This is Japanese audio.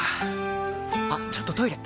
あっちょっとトイレ！